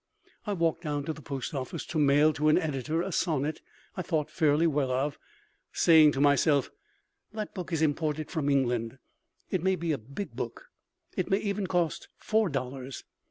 I walked down to the post office (to mail to an editor a sonnet I thought fairly well of) saying to myself: That book is imported from England, it may be a big book, it may even cost four dollars.